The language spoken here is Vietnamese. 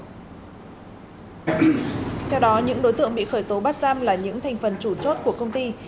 theo đó những đối tượng bị khởi tố bắt giam là những thành phần chủ chốt của công ty